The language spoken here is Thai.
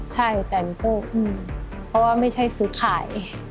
ใช่แต่ว่าไม่ใช่ซื้อขาย